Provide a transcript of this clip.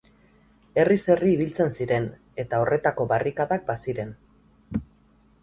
Herriz herri ibiltzen ziren, eta horretako barrikadak baziren.